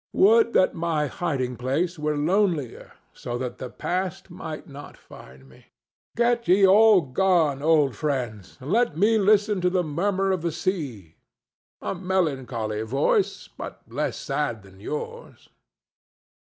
Would that my hiding place were lonelier, so that the Past might not find me!—Get ye all gone, old friends, and let me listen to the murmur of the sea—a melancholy voice, but less sad than yours.